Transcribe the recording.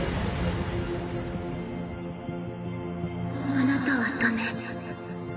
あなたはダメ。